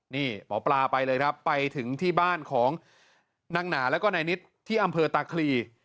นี่หมอปลาไปเลยครับไปถึงที่บ้านของนางหนาแล้วก็นายนิดที่อำเภอตาคลี